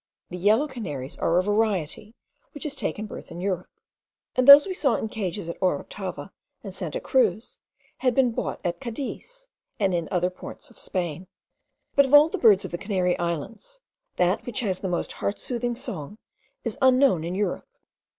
The yellow canaries are a variety, which has taken birth in Europe; and those we saw in cages at Orotava and Santa Cruz had been bought at Cadiz, and in other ports of Spain. But of all the birds of the Canary Islands, that which has the most heart soothing song is unknown in Europe.